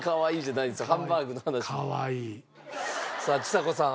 さあちさ子さん